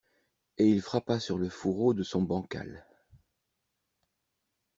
Et il frappa sur le fourreau de son bancal.